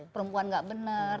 perempuan enggak benar